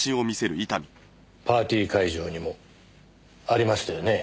パーティー会場にもありましたよね？